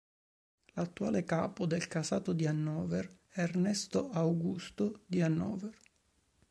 L'attuale capo del Casato di Hannover è Ernesto Augusto di Hannover.